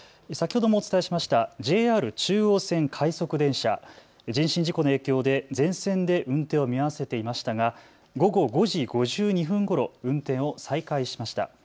先ほどもお伝えしましたＪＲ中央線快速電車、人身事故の影響で全線で運転を見合わせていましたが午後５時５２分ごろ、運転を再開しました。